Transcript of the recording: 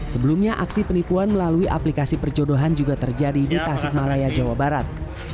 sebelumnya aksi penipuan melalui aplikasi perjodohan juga terjadi di tasik malaya jawa barat